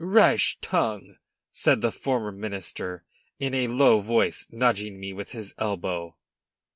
"Rash tongue!" said the former minister, in a low voice, nudging me with his elbow.